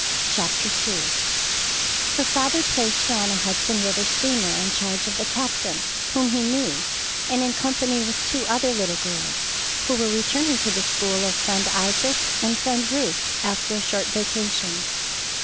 CHAPTER II Her father placed her on a Hudson River steamer in charge of the captain, whom he knew, and in company with two other little girls, who were returning to the school of Friend Isaac and Friend Ruth after a short vacation.